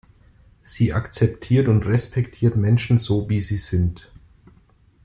Sie akzeptiert und respektiert Menschen so, wie sie sind.